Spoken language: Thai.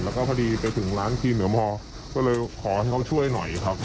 แล้วก็พอดีไปถึงร้านครีมเหนือมก็เลยขอให้เขาช่วยหน่อยครับ